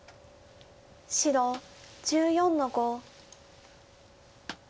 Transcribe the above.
白１４の五。